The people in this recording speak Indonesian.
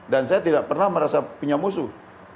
dan saya tidak pernah merasa punya musuh